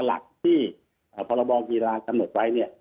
หลักที่พรบกีฬากำหนดไว้เนี่ย